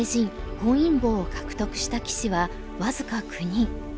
本因坊を獲得した棋士は僅か９人。